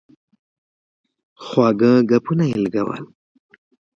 خواږه ګپونه یې لګول.